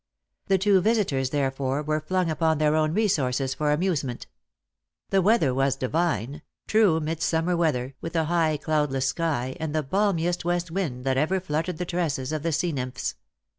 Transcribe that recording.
The two visitors therefore were flung upon their own resources for amusement. The weather was divine; true midsummer weather, with a high cloudless sky, and the balmiest west wind that ever fluttered the tresses of the sea nymphs.